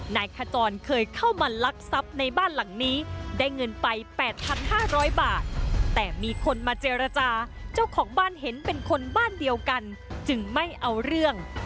นายขจรเคยเข้ามาลักทรัพย์ในบ้านหลังนี้ได้เงินไป๘๕๐๐บาทแต่มีคนมาเจรจาเจ้าของบ้านเห็นเป็นคนบ้านเดียวกันจึงไม่เอาเรื่อง